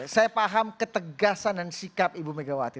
saya paham ketegasan dan sikap ibu megawati